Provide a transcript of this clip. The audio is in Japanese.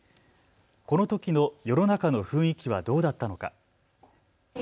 このときの世の中の雰囲気はどうだったのか。